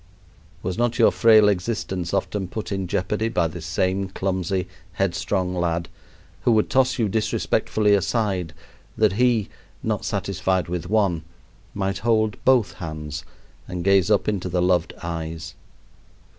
Was not your frail existence often put in jeopardy by this same clumsy, headstrong lad, who would toss you disrespectfully aside that he not satisfied with one might hold both hands and gaze up into the loved eyes?